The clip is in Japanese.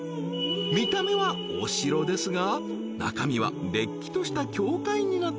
［見た目はお城ですが中身はれっきとした教会になっています］